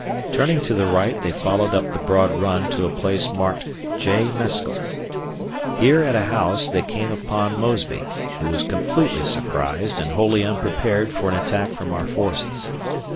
... Turning to the right they followed up the Broad Run to a place marked J. Meskel. Here at a house, they came upon Mosby, who was completely surprised and wholly unprepared for an attack from our forces.